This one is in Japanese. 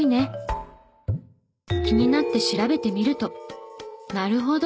気になって調べてみるとなるほど！